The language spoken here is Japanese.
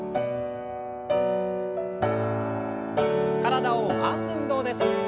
体を回す運動です。